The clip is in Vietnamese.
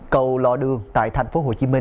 cầu lọ đường tại tp hcm